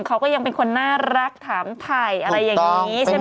เขาก็ยังเป็นคนน่ารักถามถ่ายอะไรอย่างนี้ใช่ไหม